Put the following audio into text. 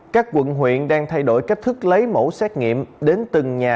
các quận huyện đang thay đổi cách thức lấy mẫu xét nghiệm đến từng nhà